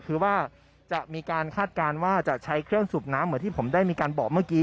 คือว่าจะมีการคาดการณ์ว่าจะใช้เครื่องสูบน้ำเหมือนที่ผมได้มีการบอกเมื่อกี้